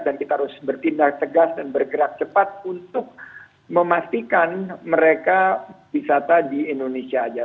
dan kita harus bertindak tegas dan bergerak cepat untuk memastikan mereka wisata di indonesia saja